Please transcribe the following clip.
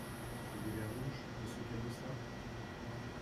Je vous dérange, monsieur Caboussat ?